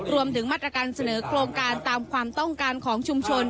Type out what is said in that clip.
รวมถึงมาตรการเสนอโครงการตามความต้องการของชุมชน